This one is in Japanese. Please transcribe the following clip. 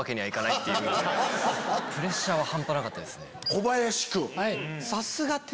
小林君。